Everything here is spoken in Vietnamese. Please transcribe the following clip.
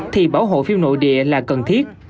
thì bảo hộ phim nội địa là cần thiết